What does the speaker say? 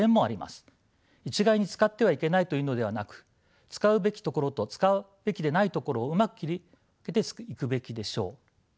一概に使ってはいけないというのではなく使うべきところと使うべきでないところをうまく切り分けていくべきでしょう。